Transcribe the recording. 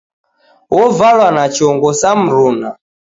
Ovalwa na chongo sa cha mruna.